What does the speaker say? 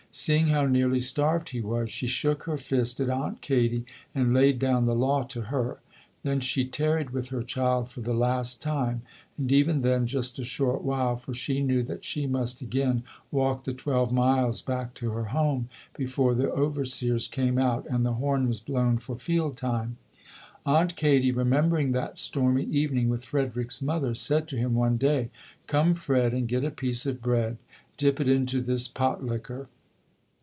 Seeing how nearly starved he was, she shook her fist at Aunt Katie and laid down the law to her. Then she tarried with her child for the last time, and even then just a short while for she knew that she must again walk the twelve miles back to her home before the overseers came out and the horn was blown for field time. Aunt Katie, remembering that stormy evening with Frederick's mother, said to him one day, "Come, Fred, and get a piece of bread. Dip it into this pot liquor".